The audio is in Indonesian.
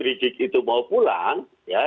rizik itu mau pulang ya